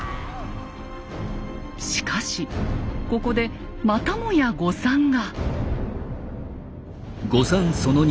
しかしここでまたもや誤算が。